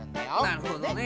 なるほどね。